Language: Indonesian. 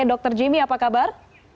dokter jimmy apa kabar